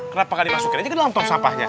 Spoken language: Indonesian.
kenapa gak dimasukin aja ke dalam tong sampahnya